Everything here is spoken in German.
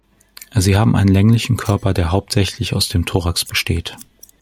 Sie haben einen länglichen Körper, der hauptsächlich aus dem Thorax besteht.